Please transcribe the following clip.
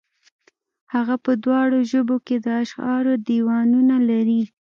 هغه په دواړو ژبو کې د اشعارو دېوانونه لري.